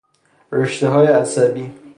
رشته های عصبی